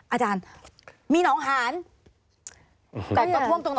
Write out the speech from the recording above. อาจารย์มีหนองหาญ